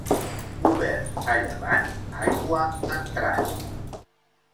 Cobert a llevant, aigua entrant.